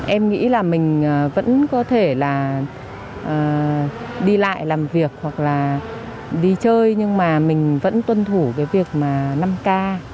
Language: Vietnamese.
em nghĩ là mình vẫn có thể là đi lại làm việc hoặc là đi chơi nhưng mà mình vẫn tuân thủ cái việc mà năm k